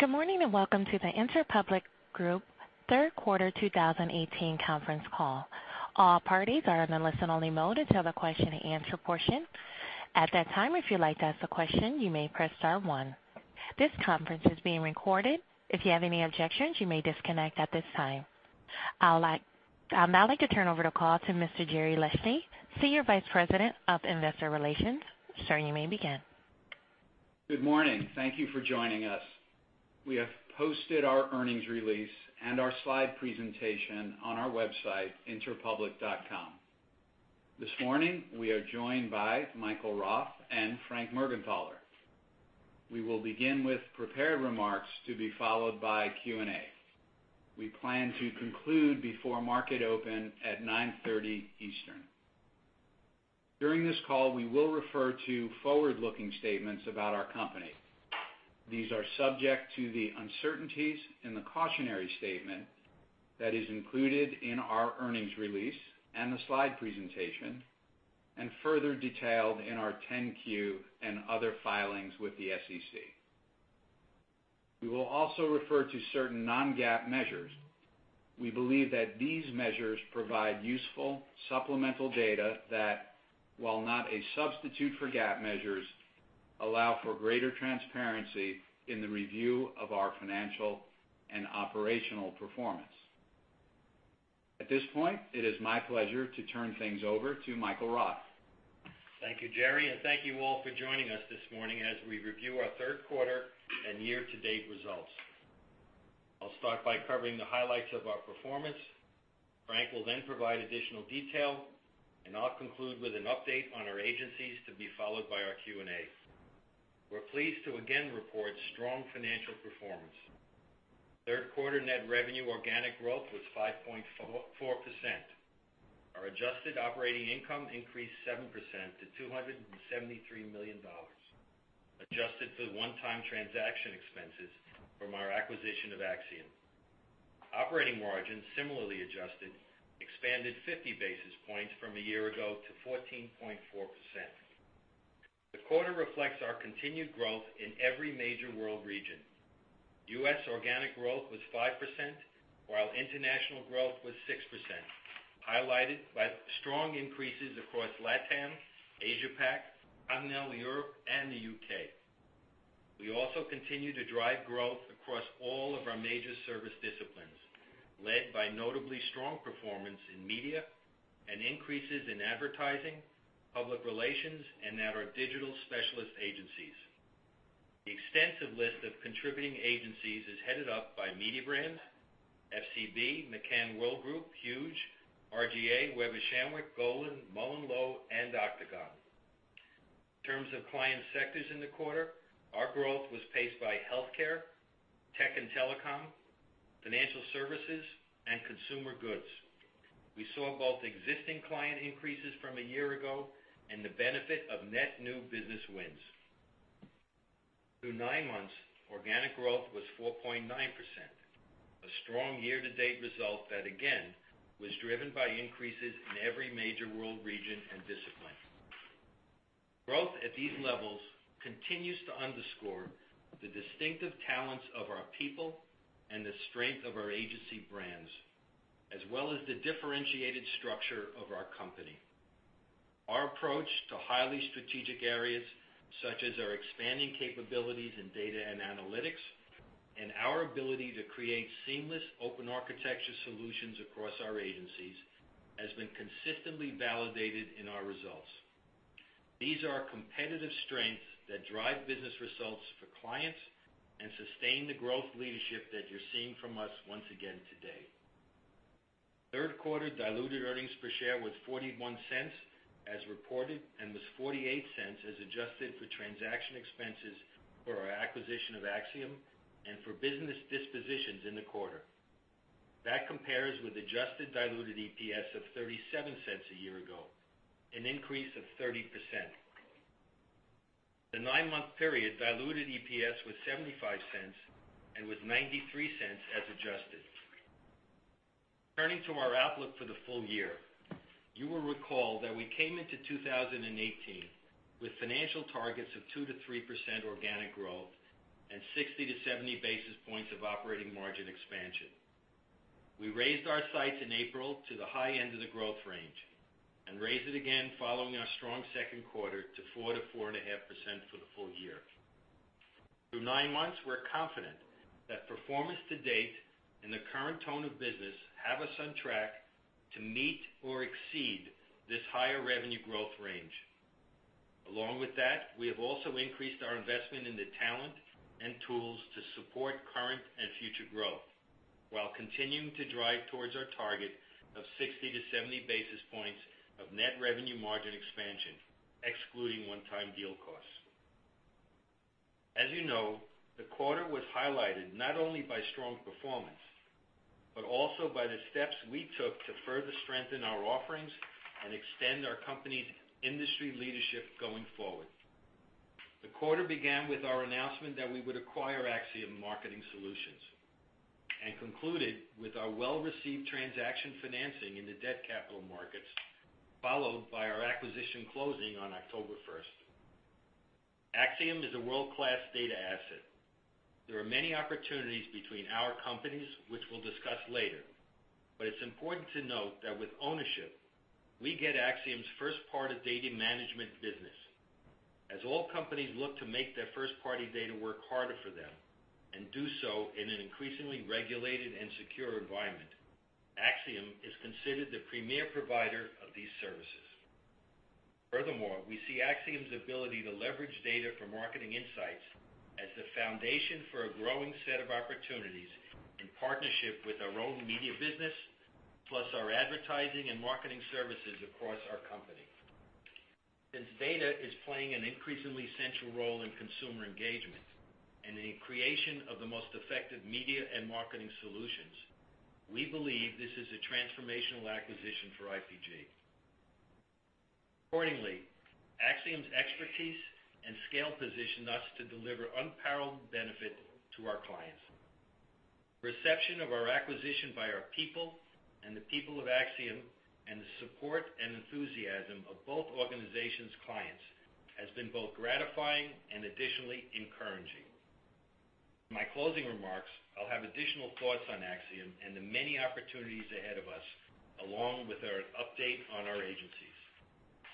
Good morning and welcome to the Interpublic Group third quarter 2018 conference call. All parties are in the listen-only mode until the question-and-answer portion. At that time, if you'd like to ask a question, you may press star one. This conference is being recorded. If you have any objections, you may disconnect at this time. I'll now like to turn over the call to Mr. Jerry Leshne, Senior Vice President of Investor Relations. Sir, you may begin. Good morning. Thank you for joining us. We have posted our earnings release and our slide presentation on our website, interpublic.com. This morning, we are joined by Michael Roth and Frank Mergenthaler. We will begin with prepared remarks to be followed by Q&A. We plan to conclude before market open at 9:30 A.M. Eastern. During this call, we will refer to forward-looking statements about our company. These are subject to the uncertainties in the cautionary statement that is included in our earnings release and the slide presentation and further detailed in our 10-Q and other filings with the SEC. We will also refer to certain non-GAAP measures. We believe that these measures provide useful supplemental data that, while not a substitute for GAAP measures, allow for greater transparency in the review of our financial and operational performance. At this point, it is my pleasure to turn things over to Michael Roth. Thank you, Jerry, and thank you all for joining us this morning as we review our third quarter and year-to-date results. I'll start by covering the highlights of our performance. Frank will then provide additional detail, and I'll conclude with an update on our agencies to be followed by our Q&A. We're pleased to again report strong financial performance. Third quarter net revenue organic growth was 5.4%. Our adjusted operating income increased 7% to $273 million, adjusted for one-time transaction expenses from our acquisition of Acxiom. Operating margins similarly adjusted, expanded 50 basis points from a year ago to 14.4%. The quarter reflects our continued growth in every major world region. U.S. organic growth was 5%, while international growth was 6%, highlighted by strong increases across LATAM, Asia-Pac, Continental Europe, and the UK. We also continue to drive growth across all of our major service disciplines, led by notably strong performance in media and increases in advertising, public relations, and at our digital specialist agencies. The extensive list of contributing agencies is headed up by Mediabrands, FCB, McCann Worldgroup, Huge, R/GA, Weber Shandwick, Golin, MullenLowe, and Octagon. In terms of client sectors in the quarter, our growth was paced by healthcare, tech and telecom, financial services, and consumer goods. We saw both existing client increases from a year ago and the benefit of net new business wins. Through nine months, organic growth was 4.9%, a strong year-to-date result that, again, was driven by increases in every major world region and discipline. Growth at these levels continues to underscore the distinctive talents of our people and the strength of our agency brands, as well as the differentiated structure of our company. Our approach to highly strategic areas, such as our expanding capabilities in data and analytics and our ability to create seamless open architecture solutions across our agencies, has been consistently validated in our results. These are competitive strengths that drive business results for clients and sustain the growth leadership that you're seeing from us once again today. Third quarter diluted earnings per share was $0.41 as reported and was $0.48 as adjusted for transaction expenses for our acquisition of Acxiom and for business dispositions in the quarter. That compares with adjusted diluted EPS of $0.37 a year ago, an increase of 30%. The nine-month period diluted EPS was $0.75 and was $0.93 as adjusted. Turning to our outlook for the full year, you will recall that we came into 2018 with financial targets of 2%-3% organic growth and 60-70 basis points of operating margin expansion. We raised our sights in April to the high end of the growth range and raised it again following our strong second quarter to 4%-4.5% for the full year. Through nine months, we're confident that performance to date and the current tone of business have us on track to meet or exceed this higher revenue growth range. Along with that, we have also increased our investment in the talent and tools to support current and future growth while continuing to drive towards our target of 60-70 basis points of net revenue margin expansion, excluding one-time deal costs. As you know, the quarter was highlighted not only by strong performance but also by the steps we took to further strengthen our offerings and extend our company's industry leadership going forward. The quarter began with our announcement that we would acquire Acxiom Marketing Solutions and concluded with our well-received transaction financing in the debt capital markets, followed by our acquisition closing on October 1st. Acxiom is a world-class data asset. There are many opportunities between our companies, which we'll discuss later, but it's important to note that with ownership, we get Acxiom's first-party data management business. As all companies look to make their first-party data work harder for them and do so in an increasingly regulated and secure environment, Acxiom is considered the premier provider of these services. Furthermore, we see Acxiom's ability to leverage data for marketing insights as the foundation for a growing set of opportunities in partnership with our own media business, plus our advertising and marketing services across our company. Since data is playing an increasingly central role in consumer engagement and in the creation of the most effective media and marketing solutions, we believe this is a transformational acquisition for IPG. Accordingly, Acxiom's expertise and scale position us to deliver unparalleled benefit to our clients. Reception of our acquisition by our people and the people of Acxiom and the support and enthusiasm of both organizations' clients has been both gratifying and additionally encouraging. In my closing remarks, I'll have additional thoughts on Acxiom and the many opportunities ahead of us, along with our update on our agencies.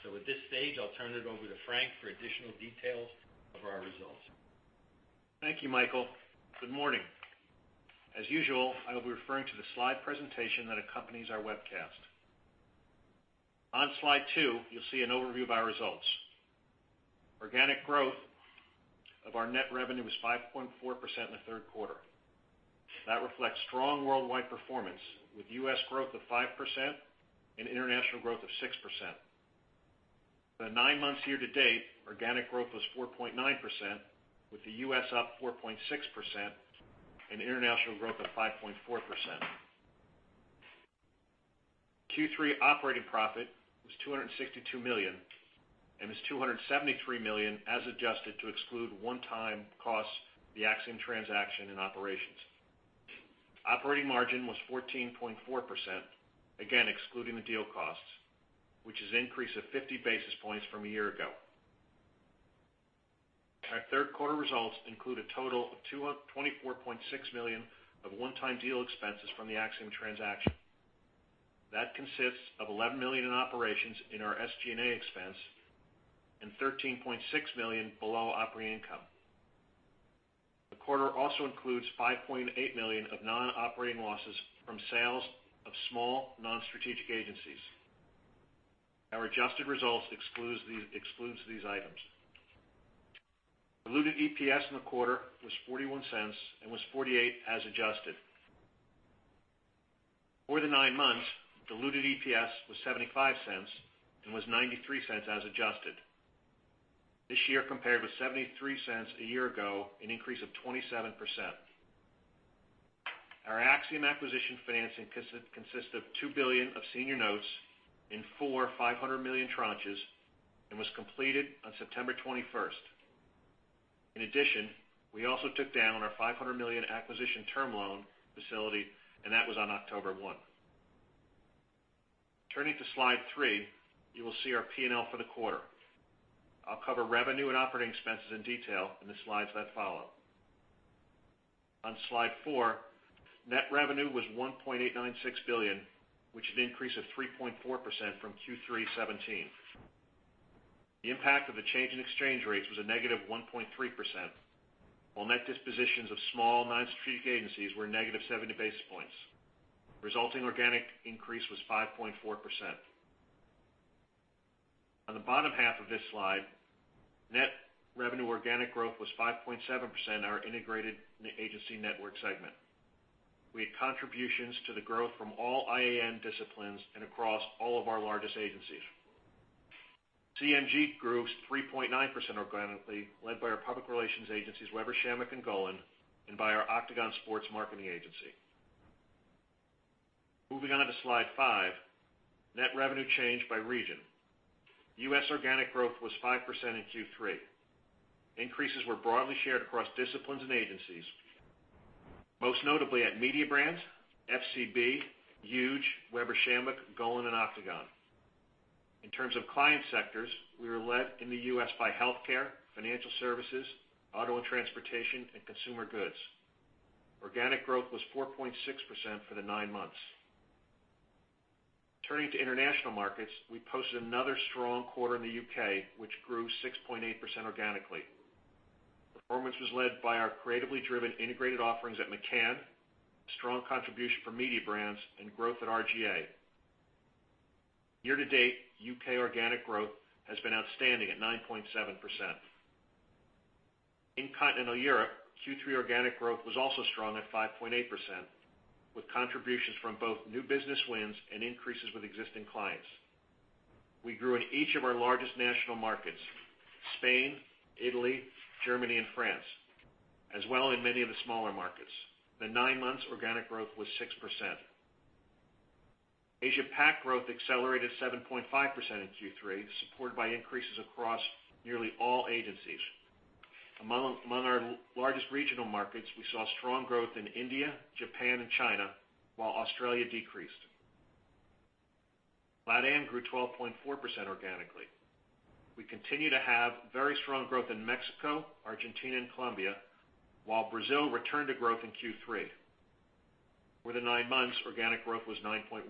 So at this stage, I'll turn it over to Frank for additional details of our results. Thank you, Michael. Good morning. As usual, I'll be referring to the slide presentation that accompanies our webcast. On slide two, you'll see an overview of our results. Organic growth of our net revenue was 5.4% in the third quarter. That reflects strong worldwide performance with U.S. growth of 5% and international growth of 6%. For nine months year-to-date, organic growth was 4.9%, with the U.S. up 4.6% and international growth of 5.4%. Q3 operating profit was $262 million and was $273 million as adjusted to exclude one-time costs, the Acxiom transaction and operations. Operating margin was 14.4%, again excluding the deal costs, which is an increase of 50 basis points from a year ago. Our third quarter results include a total of $24.6 million of one-time deal expenses from the Acxiom transaction. That consists of $11 million in operations in our SG&A expense and $13.6 million below operating income. The quarter also includes $5.8 million of non-operating losses from sales of small non-strategic agencies. Our adjusted results exclude these items. Diluted EPS in the quarter was $0.41 and was $0.48 as adjusted. Over the nine months, diluted EPS was $0.75 and was $0.93 as adjusted. This year compared with $0.73 a year ago, an increase of 27%. Our Acxiom acquisition financing consists of $2 billion of senior notes in four $500 million tranches and was completed on September 21st. In addition, we also took down our $500 million acquisition term loan facility, and that was on October 1. Turning to slide three, you will see our P&L for the quarter. I'll cover revenue and operating expenses in detail in the slides that follow. On slide four, net revenue was $1.896 billion, which is an increase of 3.4% from Q3 2017. The impact of the change in exchange rates was a negative 1.3%, while net dispositions of small non-strategic agencies were negative 70 basis points. Resulting organic increase was 5.4%. On the bottom half of this slide, net revenue organic growth was 5.7% in our integrated agency network segment. We had contributions to the growth from all IAN disciplines and across all of our largest agencies. CMG grew 3.9% organically, led by our public relations agencies, Weber Shandwick and Golin, and by our Octagon Sports Marketing Agency. Moving on to slide five, net revenue changed by region. U.S. organic growth was 5% in Q3. Increases were broadly shared across disciplines and agencies, most notably at Media Brands, FCB, Huge, Weber Shandwick, Golin, and Octagon. In terms of client sectors, we were led in the U.S. by healthcare, financial services, auto and transportation, and consumer goods. Organic growth was 4.6% for the nine months. Turning to international markets, we posted another strong quarter in the UK, which grew 6.8% organically. Performance was led by our creatively driven integrated offerings at McCann, a strong contribution for Media Brands, and growth at R/GA. Year-to-date, UK organic growth has been outstanding at 9.7%. In Continental Europe, Q3 organic growth was also strong at 5.8%, with contributions from both new business wins and increases with existing clients. We grew in each of our largest national markets, Spain, Italy, Germany, and France, as well as in many of the smaller markets. The nine-month organic growth was 6%. Asia-Pac growth accelerated 7.5% in Q3, supported by increases across nearly all agencies. Among our largest regional markets, we saw strong growth in India, Japan, and China, while Australia decreased. LATAM grew 12.4% organically. We continue to have very strong growth in Mexico, Argentina, and Colombia, while Brazil returned to growth in Q3. Over the nine months, organic growth was 9.1%.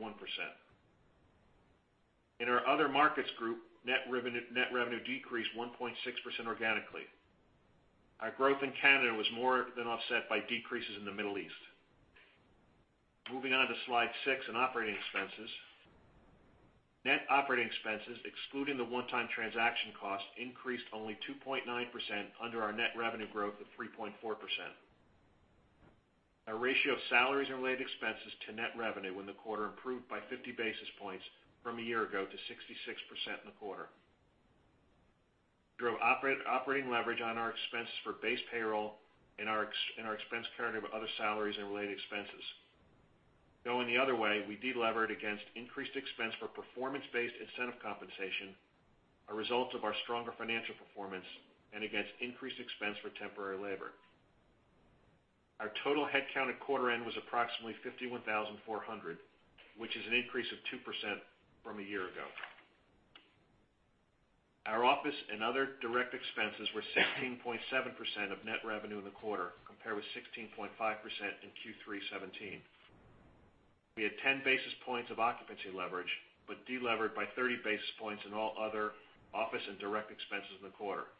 In our other markets group, net revenue decreased 1.6% organically. Our growth in Canada was more than offset by decreases in the Middle East. Moving on to slide six and operating expenses. Net operating expenses, excluding the one-time transaction costs, increased only 2.9% under our net revenue growth of 3.4%. Our ratio of salaries and related expenses to net revenue in the quarter improved by 50 basis points from a year ago to 66% in the quarter. We drove operating leverage on our expenses for base payroll and our expense category with other salaries and related expenses. Going the other way, we de-levered against increased expense for performance-based incentive compensation, a result of our stronger financial performance, and against increased expense for temporary labor. Our total headcount at quarter-end was approximately 51,400, which is an increase of 2% from a year ago. Our office and other direct expenses were 16.7% of net revenue in the quarter, compared with 16.5% in Q3-2017. We had 10 basis points of occupancy leverage but de-levered by 30 basis points in all other office and direct expenses in the quarter.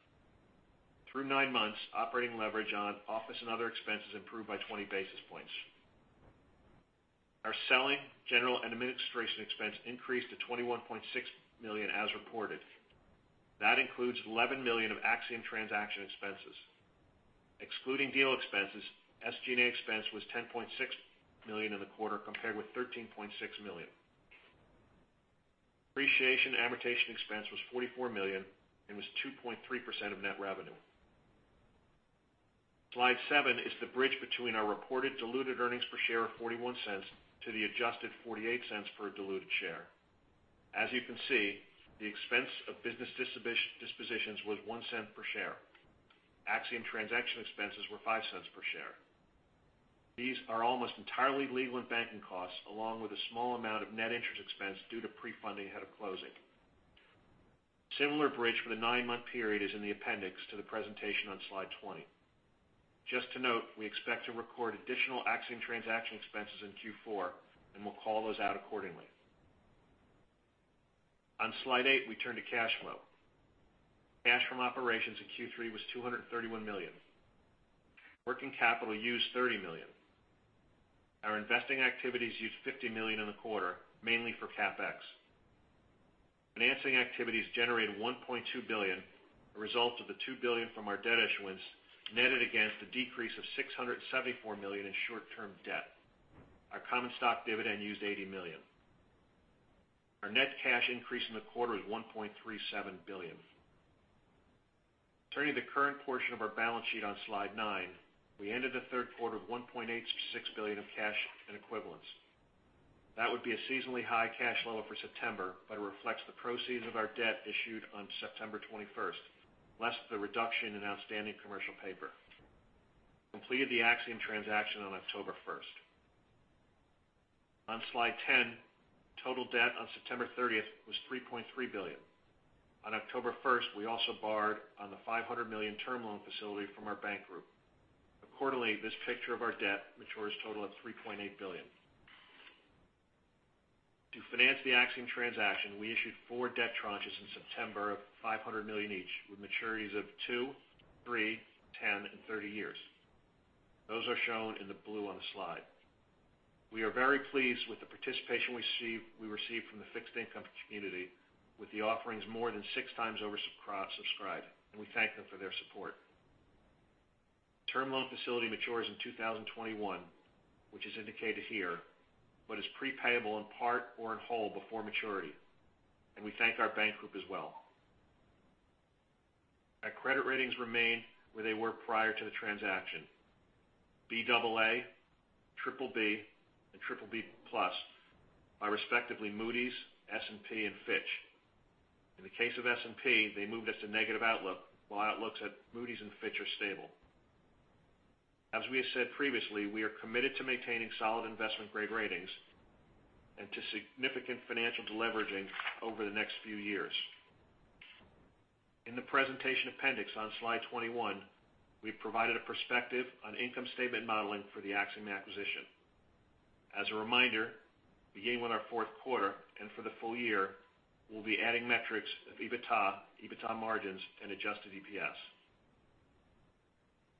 Through nine months, operating leverage on office and other expenses improved by 20 basis points. Our selling, general, and administration expense increased to $21.6 million as reported. That includes $11 million of Acxiom transaction expenses. Excluding deal expenses, SG&A expense was $10.6 million in the quarter, compared with $13.6 million. Depreciation and amortization expense was $44 million and was 2.3% of net revenue. Slide 7 is the bridge between our reported diluted earnings per share of $0.41 to the adjusted $0.48 per diluted share. As you can see, the expense of business dispositions was $0.01 per share. Acxiom transaction expenses were $0.05 per share. These are almost entirely legal and banking costs, along with a small amount of net interest expense due to pre-funding ahead of closing. A similar bridge for the nine-month period is in the appendix to the presentation on slide 20. Just to note, we expect to record additional Acxiom transaction expenses in Q4 and will call those out accordingly. On slide 8, we turn to cash flow. Cash from operations in Q3 was $231 million. Working capital used $30 million. Our investing activities used $50 million in the quarter, mainly for CapEx. Financing activities generated $1.2 billion, a result of the $2 billion from our debt issuance netted against a decrease of $674 million in short-term debt. Our common stock dividend used $80 million. Our net cash increase in the quarter was $1.37 billion. Turning to the current portion of our balance sheet on slide nine, we ended the third quarter with $1.86 billion of cash and equivalents. That would be a seasonally high cash level for September, but it reflects the proceeds of our debt issued on September 21st, less the reduction in outstanding commercial paper. Completed the Acxiom transaction on October 1st. On slide 10, total debt on September 30th was $3.3 billion. On October 1st, we also borrowed on the $500 million term loan facility from our bank group. Accordingly, this picture of our debt matures a total of $3.8 billion. To finance the Acxiom transaction, we issued four debt tranches in September of $500 million each with maturities of two, three, 10, and 30 years. Those are shown in the blue on the slide. We are very pleased with the participation we received from the fixed income community, with the offerings more than six times oversubscribed, and we thank them for their support. Term loan facility matures in 2021, which is indicated here, but is prepayable in part or in whole before maturity, and we thank our bank group as well. Our credit ratings remain where they were prior to the transaction: BAA, BBB, and BBB Plus, respectively, Moody's, S&P, and Fitch. In the case of S&P, they moved us to negative outlook, while outlooks at Moody's and Fitch are stable. As we have said previously, we are committed to maintaining solid investment-grade ratings and to significant financial deleveraging over the next few years. In the presentation appendix on slide 21, we provided a perspective on income statement modeling for the Acxiom acquisition. As a reminder, beginning with our fourth quarter and for the full year, we'll be adding metrics of EBITDA, EBITDA margins, and adjusted EPS.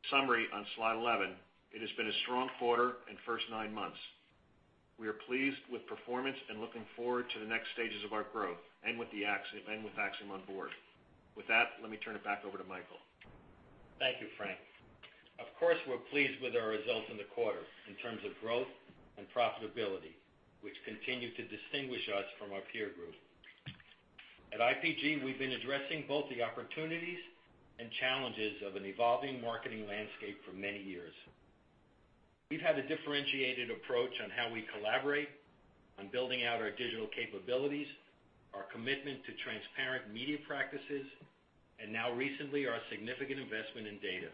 Summary on slide 11: it has been a strong quarter and first nine months. We are pleased with performance and looking forward to the next stages of our growth and with Acxiom on board. With that, let me turn it back over to Michael. Thank you, Frank. Of course, we're pleased with our results in the quarter in terms of growth and profitability, which continue to distinguish us from our peer group. At IPG, we've been addressing both the opportunities and challenges of an evolving marketing landscape for many years. We've had a differentiated approach on how we collaborate, on building out our digital capabilities, our commitment to transparent media practices, and now recently, our significant investment in data.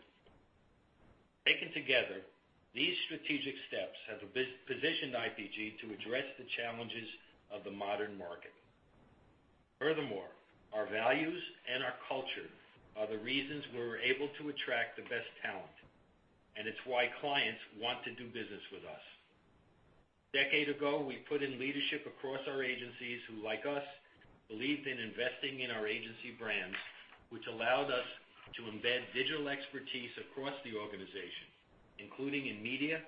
Taken together, these strategic steps have positioned IPG to address the challenges of the modern market. Furthermore, our values and our culture are the reasons we're able to attract the best talent, and it's why clients want to do business with us. A decade ago, we put in leadership across our agencies who, like us, believed in investing in our agency brands, which allowed us to embed digital expertise across the organization, including in media,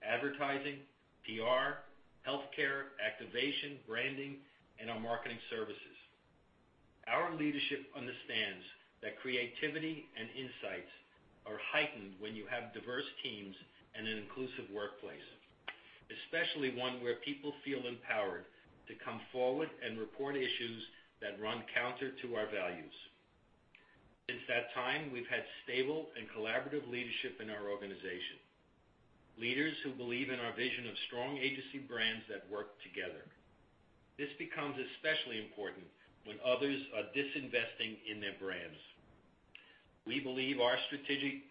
advertising, PR, healthcare, activation, branding, and our marketing services. Our leadership understands that creativity and insights are heightened when you have diverse teams and an inclusive workplace, especially one where people feel empowered to come forward and report issues that run counter to our values. Since that time, we've had stable and collaborative leadership in our organization, leaders who believe in our vision of strong agency brands that work together. This becomes especially important when others are disinvesting in their brands. We believe our strategic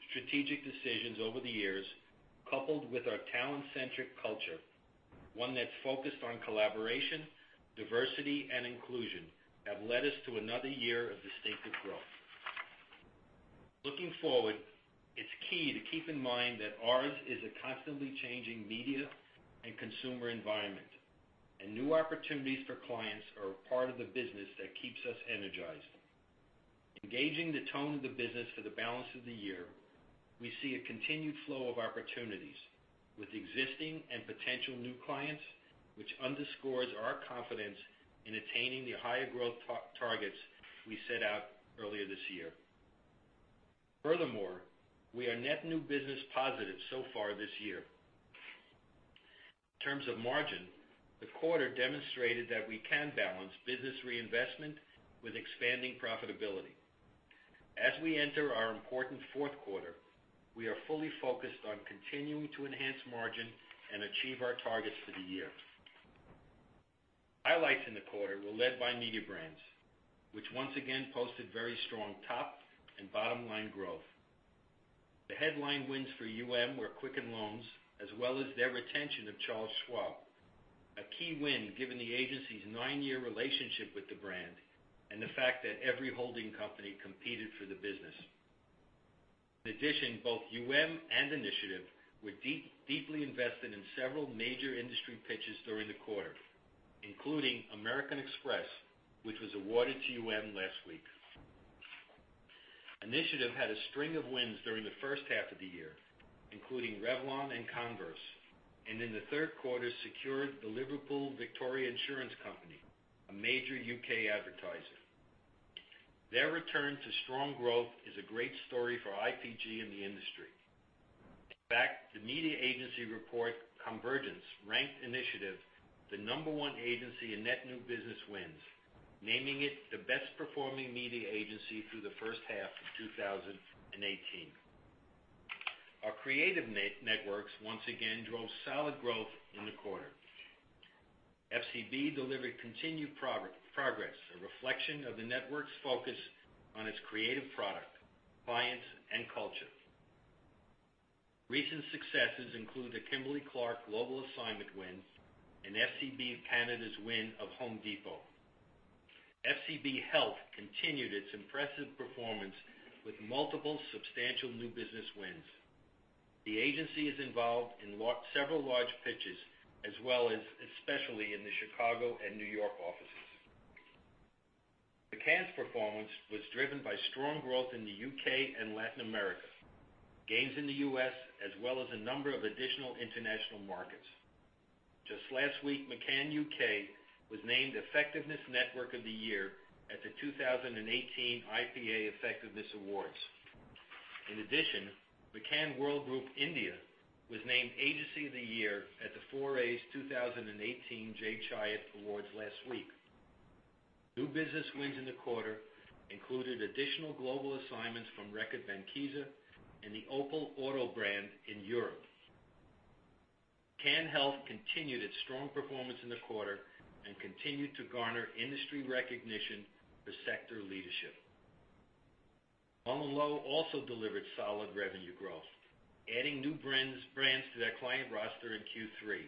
decisions over the years, coupled with our talent-centric culture, one that's focused on collaboration, diversity, and inclusion, have led us to another year of distinctive growth. Looking forward, it's key to keep in mind that ours is a constantly changing media and consumer environment, and new opportunities for clients are a part of the business that keeps us energized. Engaging the tone of the business for the balance of the year, we see a continued flow of opportunities with existing and potential new clients, which underscores our confidence in attaining the higher growth targets we set out earlier this year. Furthermore, we are net new business positive so far this year. In terms of margin, the quarter demonstrated that we can balance business reinvestment with expanding profitability. As we enter our important fourth quarter, we are fully focused on continuing to enhance margin and achieve our targets for the year. Highlights in the quarter were led by Media Brands, which once again posted very strong top and bottom-line growth. The headline wins for UM were Quicken Loans, as well as their retention of Charles Schwab, a key win given the agency's nine-year relationship with the brand and the fact that every holding company competed for the business. In addition, both UM and Initiative were deeply invested in several major industry pitches during the quarter, including American Express, which was awarded to UM last week. Initiative had a string of wins during the first half of the year, including Revlon and Converse, and in the third quarter secured the Liverpool Victoria Insurance Company, a major UK advertiser. Their return to strong growth is a great story for IPG in the industry. In fact, the media agency report COMvergence ranked Initiative the number one agency in net new business wins, naming it the best-performing media agency through the first half of 2018. Our creative networks once again drove solid growth in the quarter. FCB delivered continued progress, a reflection of the network's focus on its creative product, clients, and culture. Recent successes include the Kimberly-Clark Global Assignment win and FCB Canada's win of Home Depot. FCB Health continued its impressive performance with multiple substantial new business wins. The agency is involved in several large pitches, as well as especially in the Chicago and New York offices. McCann's performance was driven by strong growth in the UK and Latin America, gains in the U.S., as well as a number of additional international markets. Just last week, McCann UK was named Effectiveness Network of the Year at the 2018 IPA Effectiveness Awards. In addition, McCann Worldgroup India was named Agency of the Year at the 4A's 2018 Jay Chayat Awards last week. New business wins in the quarter included additional global assignments from Reckitt Benckiser and the Opel Auto brand in Europe. McCann Health continued its strong performance in the quarter and continued to garner industry recognition for sector leadership. MullenLowe also delivered solid revenue growth, adding new brands to their client roster in Q3,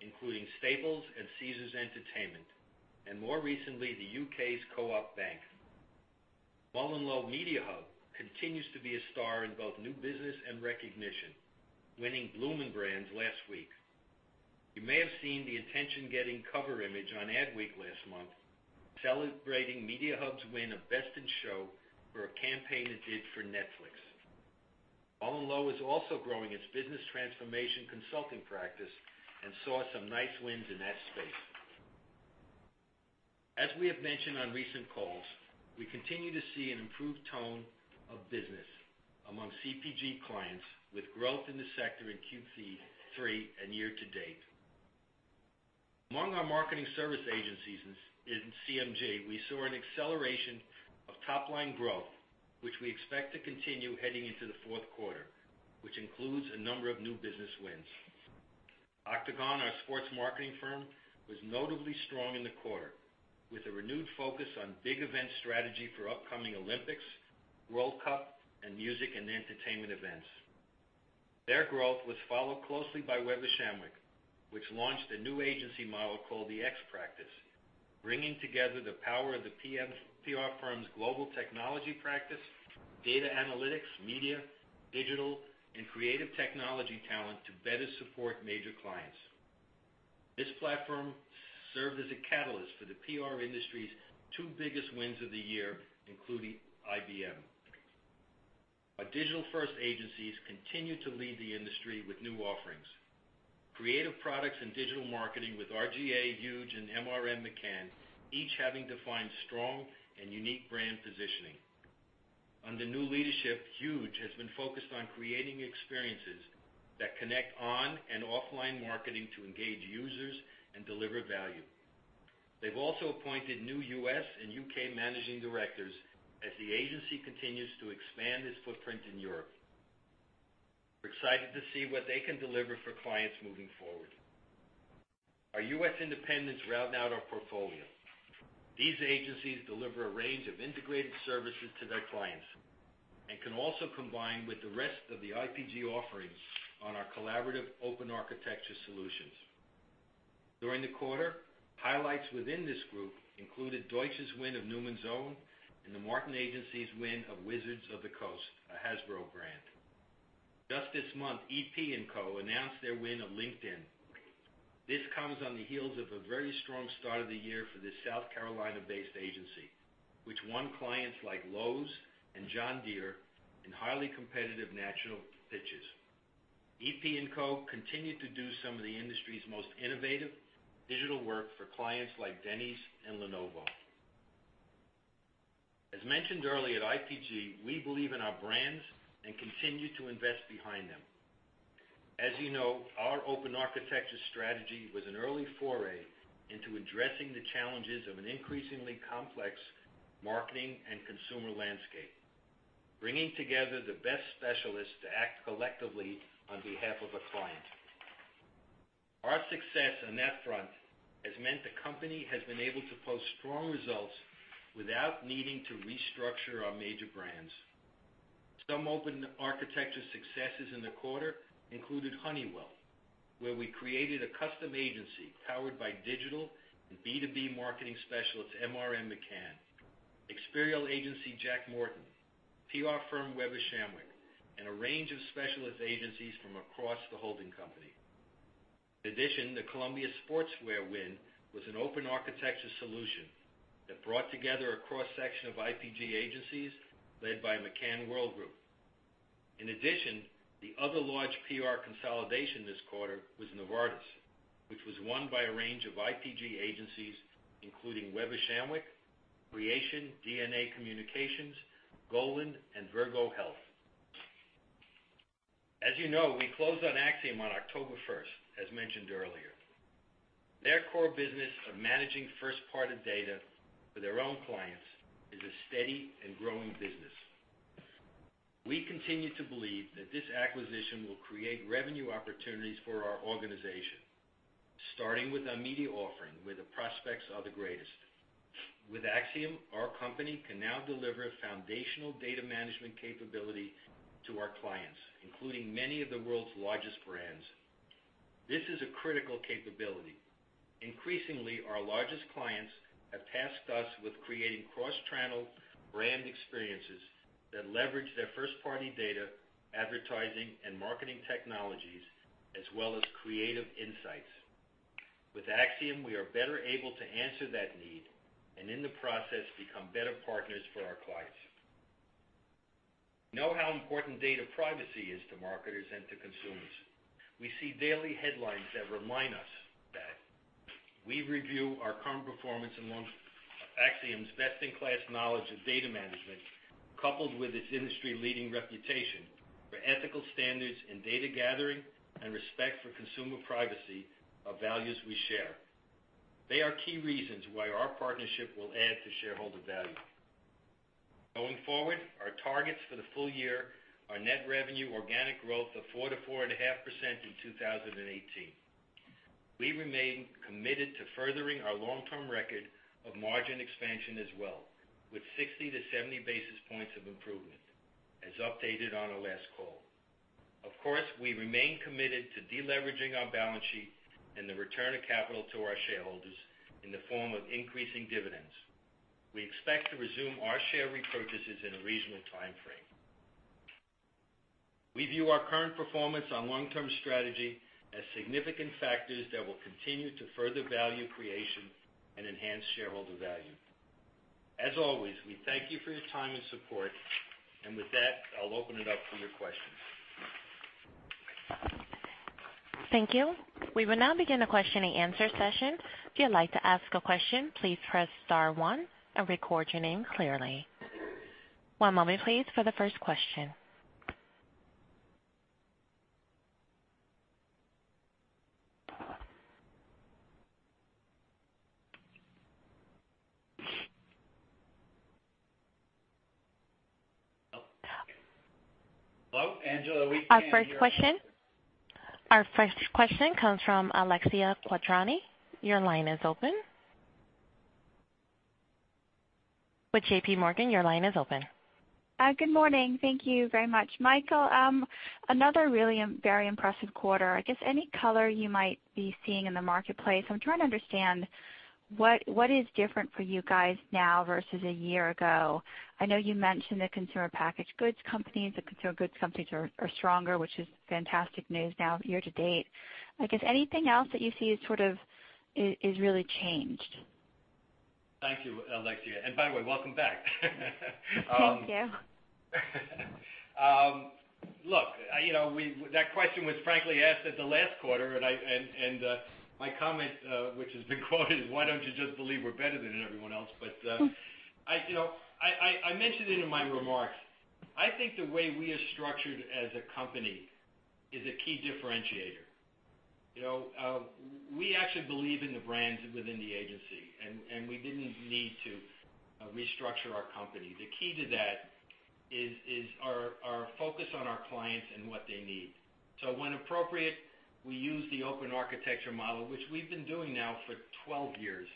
including Staples and Caesars Entertainment, and more recently, the UK's Co-op Bank. MullenLowe Mediahub continues to be a star in both new business and recognition, winning Bloomin' Brands last week. You may have seen the attention-getting cover image on Adweek last month, celebrating Mediahub's win of Best in Show for a campaign it did for Netflix. MullenLowe is also growing its business transformation consulting practice and saw some nice wins in that space. As we have mentioned on recent calls, we continue to see an improved tone of business among CPG clients, with growth in the sector in Q3 and year to date. Among our marketing service agencies in CMG, we saw an acceleration of top-line growth, which we expect to continue heading into the fourth quarter, which includes a number of new business wins. Octagon, our sports marketing firm, was notably strong in the quarter, with a renewed focus on big event strategy for upcoming Olympics, World Cup, and music and entertainment events. Their growth was followed closely by Weber Shandwick, which launched a new agency model called The X Practice, bringing together the power of the PR firm's global technology practice, data analytics, media, digital, and creative technology talent to better support major clients. This platform served as a catalyst for the PR industry's two biggest wins of the year, including IBM. Our digital-first agencies continue to lead the industry with new offerings. Creative products and digital marketing with R/GA, Huge, and MRM//McCann, each having defined strong and unique brand positioning. Under new leadership, Huge has been focused on creating experiences that connect on and offline marketing to engage users and deliver value. They've also appointed new US and UK managing directors as the agency continues to expand its footprint in Europe. We're excited to see what they can deliver for clients moving forward. Our US independents round out our portfolio. These agencies deliver a range of integrated services to their clients and can also combine with the rest of the IPG offerings on our collaborative Open Architecture solutions. During the quarter, highlights within this group included Deutsch's win of Newman's Own and The Martin Agency's win of Wizards of the Coast, a Hasbro brand. Just this month, EP+Co announced their win of LinkedIn. This comes on the heels of a very strong start of the year for this South Carolina-based agency, which won clients like Lowe's and John Deere in highly competitive national pitches. EP+Co continued to do some of the industry's most innovative digital work for clients like Denny's and Lenovo. As mentioned earlier, at IPG, we believe in our brands and continue to invest behind them. As you know, our open architecture strategy was an early foray into addressing the challenges of an increasingly complex marketing and consumer landscape, bringing together the best specialists to act collectively on behalf of a client. Our success on that front has meant the company has been able to post strong results without needing to restructure our major brands. Some open architecture successes in the quarter included Honeywell, where we created a custom agency powered by digital and B2B marketing specialist MRM McCann, experiential agency Jack Morton, PR firm Weber Shandwick, and a range of specialist agencies from across the holding company. In addition, the Columbia Sportswear win was an open architecture solution that brought together a cross-section of IPG agencies led by McCann Worldgroup. In addition, the other large PR consolidation this quarter was Novartis, which was won by a range of IPG agencies, including Weber Shandwick, Creation, DNA Communications, Golin, and Virgo Health. As you know, we closed on Acxiom on October 1st, as mentioned earlier. Their core business of managing first-party data for their own clients is a steady and growing business. We continue to believe that this acquisition will create revenue opportunities for our organization, starting with our media offering, where the prospects are the greatest. With Acxiom, our company can now deliver foundational data management capability to our clients, including many of the world's largest brands. This is a critical capability. Increasingly, our largest clients have tasked us with creating cross-channel brand experiences that leverage their first-party data, advertising, and marketing technologies, as well as creative insights. With Acxiom, we are better able to answer that need and, in the process, become better partners for our clients. We know how important data privacy is to marketers and to consumers. We see daily headlines that remind us that. Acxiom's best-in-class knowledge of data management, coupled with its industry-leading reputation for ethical standards in data gathering and respect for consumer privacy, are values we share. They are key reasons why our partnership will add to shareholder value. Going forward, our targets for the full year are net revenue organic growth of 4-4.5% in 2018. We remain committed to furthering our long-term record of margin expansion as well, with 60-70 basis points of improvement, as updated on our last call. Of course, we remain committed to deleveraging our balance sheet and the return of capital to our shareholders in the form of increasing dividends. We expect to resume our share repurchases in a regional timeframe. We view our current performance on long-term strategy as significant factors that will continue to further value creation and enhance shareholder value. As always, we thank you for your time and support, and with that, I'll open it up for your questions. Thank you. We will now begin a question-and-answer session. If you'd like to ask a question, please press star one and record your name clearly. One moment, please, for the first question. Hello. Angela, we can't hear you. Our first question comes from Alexia Quadrani. Your line is open. With J.P. Morgan, your line is open. Good morning. Thank you very much, Michael. Another really very impressive quarter. I guess any color you might be seeing in the marketplace. I'm trying to understand what is different for you guys now versus a year ago? I know you mentioned the consumer packaged goods companies. The consumer goods companies are stronger, which is fantastic news now, year to date. I guess anything else that you see is sort of really changed? Thank you, Alexia. And by the way, welcome back. Thank you. Look, that question was frankly asked at the last quarter, and my comment, which has been quoted, is, "Why don't you just believe we're better than everyone else?" But I mentioned it in my remarks. I think the way we are structured as a company is a key differentiator. We actually believe in the brands within the agency, and we didn't need to restructure our company. The key to that is our focus on our clients and what they need. So when appropriate, we use the open architecture model, which we've been doing now for 12 years.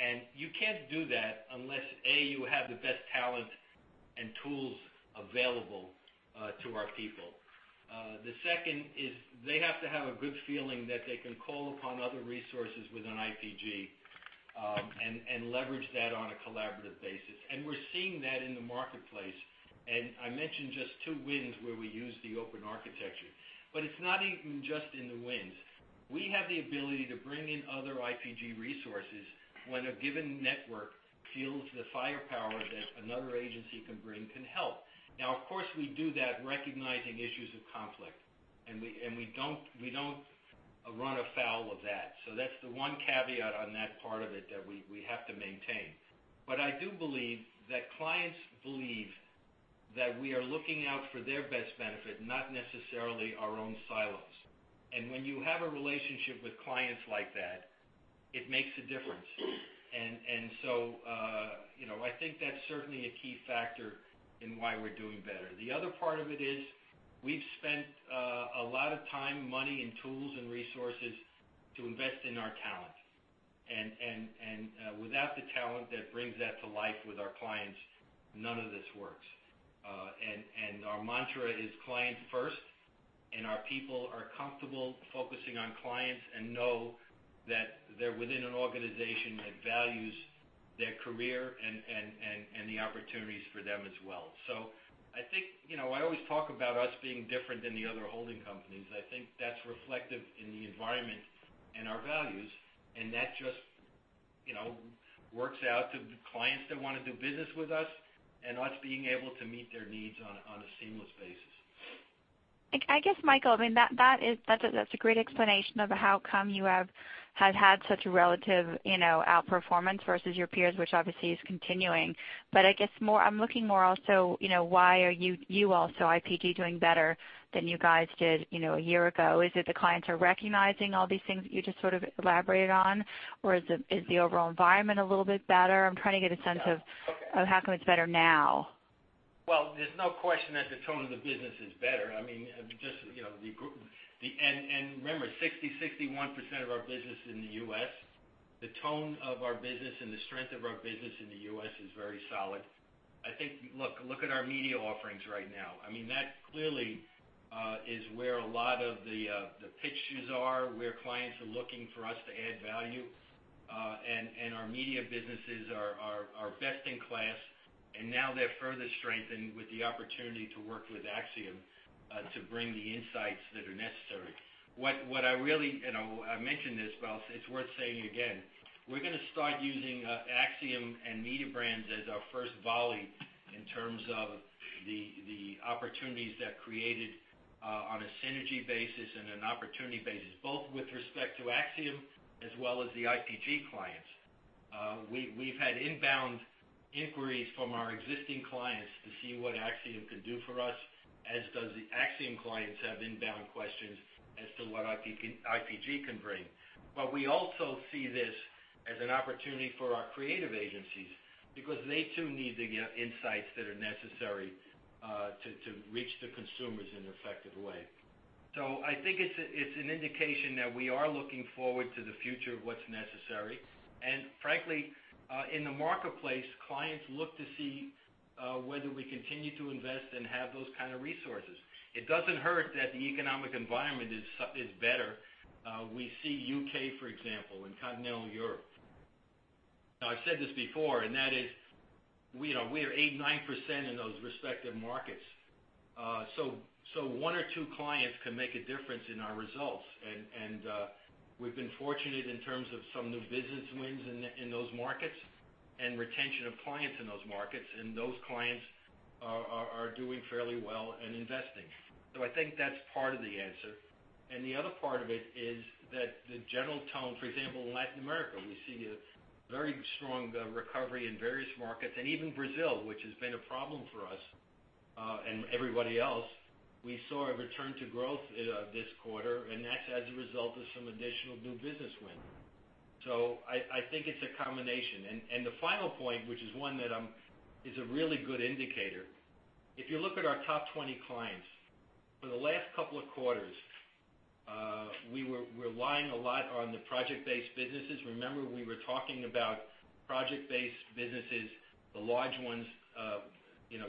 And you can't do that unless, A, you have the best talent and tools available to our people. The second is they have to have a good feeling that they can call upon other resources within IPG and leverage that on a collaborative basis. And we're seeing that in the marketplace. I mentioned just two wins where we use the open architecture. It's not even just in the wins. We have the ability to bring in other IPG resources when a given network feels the firepower that another agency can bring can help. Now, of course, we do that recognizing issues of conflict, and we don't run afoul of that. That's the one caveat on that part of it that we have to maintain. I do believe that clients believe that we are looking out for their best benefit, not necessarily our own silos. When you have a relationship with clients like that, it makes a difference. I think that's certainly a key factor in why we're doing better. The other part of it is we've spent a lot of time, money, and tools and resources to invest in our talent. Without the talent that brings that to life with our clients, none of this works. Our mantra is client-first, and our people are comfortable focusing on clients and know that they're within an organization that values their career and the opportunities for them as well. I think I always talk about us being different than the other holding companies. I think that's reflective in the environment and our values, and that just works out to clients that want to do business with us and us being able to meet their needs on a seamless basis. I guess, Michael, I mean, that's a great explanation of how come you have had such a relative outperformance versus your peers, which obviously is continuing. But I guess I'm looking more also why are you also, IPG, doing better than you guys did a year ago? Is it the clients are recognizing all these things that you just sort of elaborated on, or is the overall environment a little bit better? I'm trying to get a sense of how come it's better now. There's no question that the tone of the business is better. I mean, just, and remember, 60%-61% of our business in the U.S., the tone of our business and the strength of our business in the U.S. is very solid. I think, look at our media offerings right now. I mean, that clearly is where a lot of the pitches are, where clients are looking for us to add value. And our media businesses are best in class, and now they're further strengthened with the opportunity to work with Acxiom to bring the insights that are necessary. What I really mentioned this, but it's worth saying again. We're going to start using Acxiom and Media Brands as our first volley in terms of the opportunities that are created on a synergy basis and an opportunity basis, both with respect to Acxiom as well as the IPG clients. We've had inbound inquiries from our existing clients to see what Acxiom can do for us, as does the Acxiom clients have inbound questions as to what IPG can bring. But we also see this as an opportunity for our creative agencies because they too need to get insights that are necessary to reach the consumers in an effective way. So I think it's an indication that we are looking forward to the future of what's necessary. And frankly, in the marketplace, clients look to see whether we continue to invest and have those kinds of resources. It doesn't hurt that the economic environment is better. We see U.K., for example, and Continental Europe. Now, I've said this before, and that is we are 89% in those respective markets, so one or two clients can make a difference in our results, and we've been fortunate in terms of some new business wins in those markets and retention of clients in those markets, and those clients are doing fairly well and investing, so I think that's part of the answer, and the other part of it is that the general tone, for example, in Latin America, we see a very strong recovery in various markets, and even Brazil, which has been a problem for us and everybody else, we saw a return to growth this quarter, and that's as a result of some additional new business win, so I think it's a combination. The final point, which is one that is a really good indicator, if you look at our top 20 clients, for the last couple of quarters, we were relying a lot on the project-based businesses. Remember, we were talking about project-based businesses, the large ones.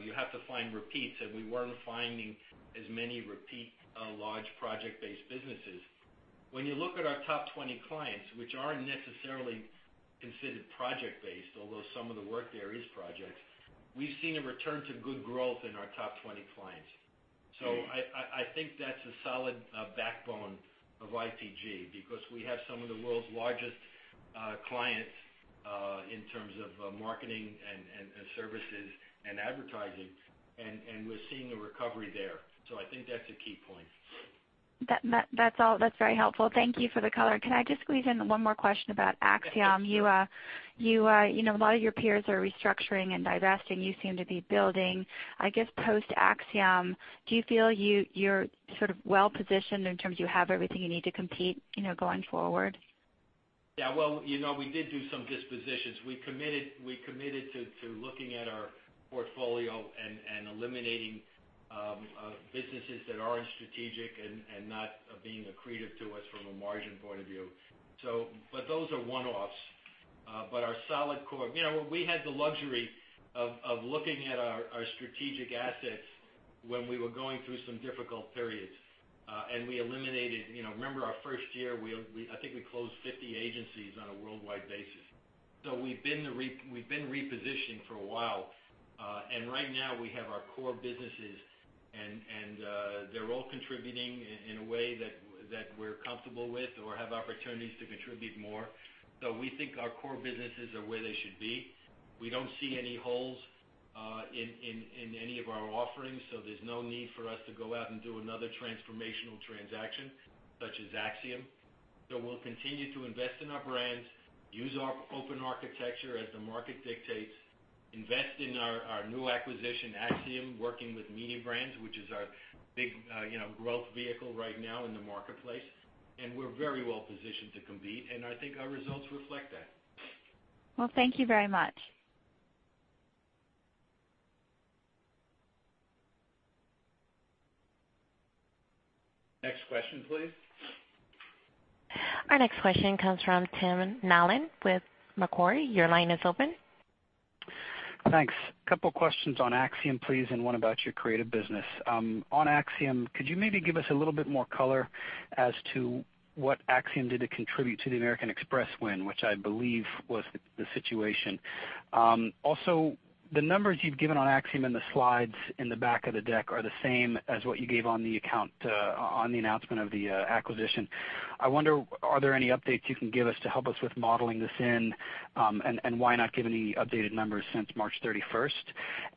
You have to find repeats, and we weren't finding as many repeat large project-based businesses. When you look at our top 20 clients, which aren't necessarily considered project-based, although some of the work there is projects, we've seen a return to good growth in our top 20 clients. I think that's a solid backbone of IPG because we have some of the world's largest clients in terms of marketing and services and advertising, and we're seeing a recovery there. I think that's a key point. That's very helpful. Thank you for the color. Can I just squeeze in one more question about Acxiom? A lot of your peers are restructuring and divesting. You seem to be building. I guess post-Acxiom, do you feel you're sort of well-positioned in terms of you have everything you need to compete going forward? Yeah. Well, we did do some dispositions. We committed to looking at our portfolio and eliminating businesses that aren't strategic and not being accretive to us from a margin point of view. But those are one-offs. But our solid core we had the luxury of looking at our strategic assets when we were going through some difficult periods. And we eliminated, remember, our first year, I think we closed 50 agencies on a worldwide basis. So we've been repositioning for a while. And right now, we have our core businesses, and they're all contributing in a way that we're comfortable with or have opportunities to contribute more. So we think our core businesses are where they should be. We don't see any holes in any of our offerings, so there's no need for us to go out and do another transformational transaction such as Acxiom. So we'll continue to invest in our brands, use our open architecture as the market dictates, invest in our new acquisition, Acxiom, working with media brands, which is our big growth vehicle right now in the marketplace. And we're very well-positioned to compete, and I think our results reflect that. Thank you very much. Next question, please. Our next question comes from Tim Nollen with Macquarie. Your line is open. Thanks. A couple of questions on Acxiom, please, and one about your creative business. On Acxiom, could you maybe give us a little bit more color as to what Acxiom did to contribute to the American Express win, which I believe was the situation? Also, the numbers you've given on Acxiom in the slides in the back of the deck are the same as what you gave on the account on the announcement of the acquisition. I wonder, are there any updates you can give us to help us with modeling this in, and why not give any updated numbers since March 31st?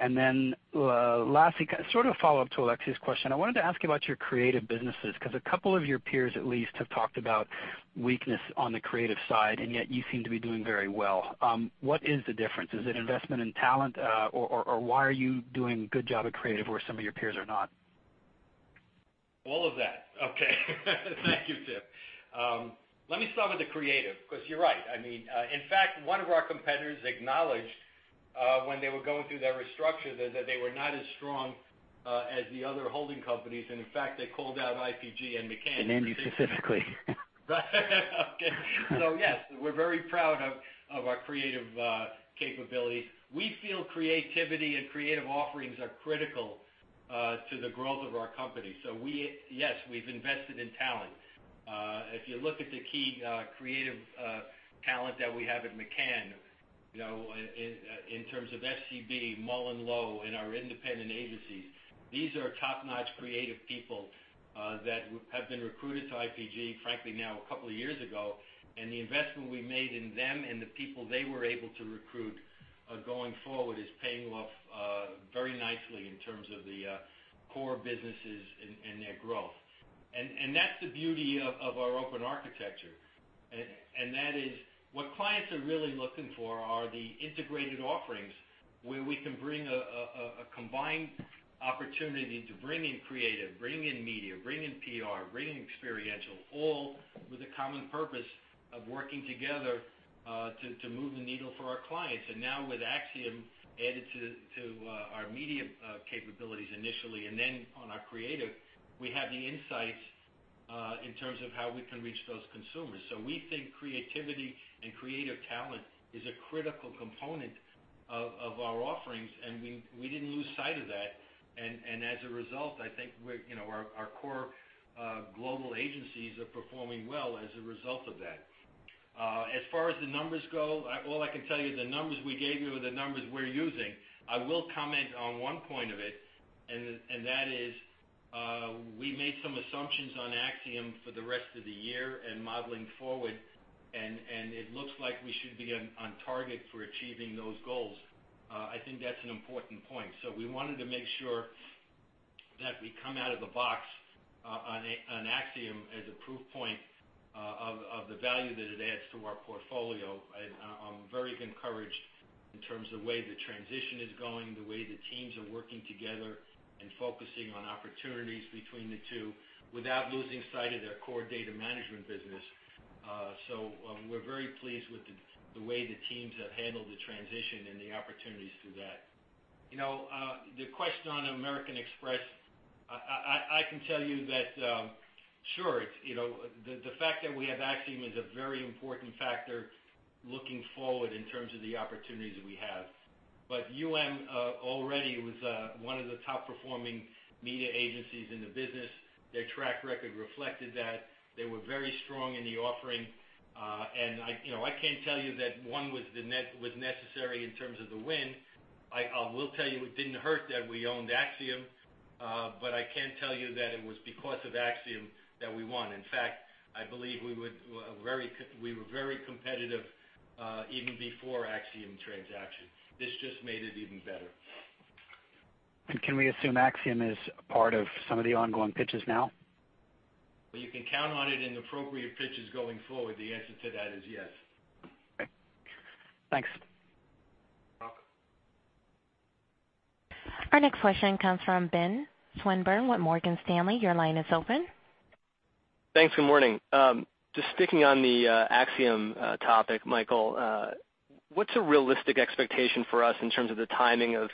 And then lastly, sort of a follow-up to Alexia's question, I wanted to ask you about your creative businesses because a couple of your peers, at least, have talked about weakness on the creative side, and yet you seem to be doing very well. What is the difference? Is it investment in talent, or why are you doing a good job at creative where some of your peers are not? All of that. Okay. Thank you, Tim. Let me start with the creative because you're right. I mean, in fact, one of our competitors acknowledged when they were going through their restructure that they were not as strong as the other holding companies. And in fact, they called out IPG and McCann. And India specifically. Okay. So yes, we're very proud of our creative capabilities. We feel creativity and creative offerings are critical to the growth of our company. So yes, we've invested in talent. If you look at the key creative talent that we have at McCann in terms of FCB, MullenLowe, and our independent agencies, these are top-notch creative people that have been recruited to IPG, frankly, now a couple of years ago. And the investment we made in them and the people they were able to recruit going forward is paying off very nicely in terms of the core businesses and their growth. And that's the beauty of our open architecture. And that is what clients are really looking for are the integrated offerings where we can bring a combined opportunity to bring in creative, bring in media, bring in PR, bring in experiential, all with a common purpose of working together to move the needle for our clients. And now with Acxiom added to our media capabilities initially, and then on our creative, we have the insights in terms of how we can reach those consumers. So we think creativity and creative talent is a critical component of our offerings, and we didn't lose sight of that. And as a result, I think our core global agencies are performing well as a result of that. As far as the numbers go, all I can tell you, the numbers we gave you are the numbers we're using. I will comment on one point of it, and that is we made some assumptions on Acxiom for the rest of the year and modeling forward, and it looks like we should be on target for achieving those goals. I think that's an important point. So we wanted to make sure that we come out of the box on Acxiom as a proof point of the value that it adds to our portfolio. I'm very encouraged in terms of the way the transition is going, the way the teams are working together, and focusing on opportunities between the two without losing sight of their core data management business. So we're very pleased with the way the teams have handled the transition and the opportunities through that. The question on American Express, I can tell you that sure, the fact that we have Acxiom is a very important factor looking forward in terms of the opportunities we have. But already was one of the top-performing media agencies in the business. Their track record reflected that. They were very strong in the offering. And I can't tell you that one was necessary in terms of the win. I will tell you it didn't hurt that we owned Acxiom, but I can't tell you that it was because of Acxiom that we won. In fact, I believe we were very competitive even before Acxiom transaction. This just made it even better. And can we assume Acxiom is part of some of the ongoing pitches now? You can count on it in appropriate pitches going forward. The answer to that is yes. Okay. Thanks. You're welcome. Our next question comes from Ben Swinburne with Morgan Stanley. Your line is open. Thanks. Good morning. Just sticking on the Acxiom topic, Michael, what's a realistic expectation for us in terms of the timing of